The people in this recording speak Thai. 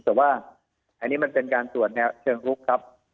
แต่ว่าอันนี้มันเป็นการตรวจแนวเชิงรุกครับ